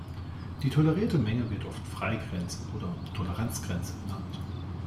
Die tolerierte Menge wird oft "Freigrenze" oder "Toleranzgrenze" genannt.